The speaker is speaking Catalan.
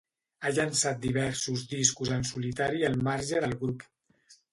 Ha llançat diversos discos en solitari al marge del grup.